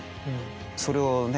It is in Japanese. それをね